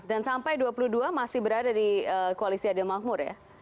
sampai dua puluh dua masih berada di koalisi adil makmur ya